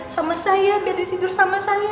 sama saya biar tidur sama saya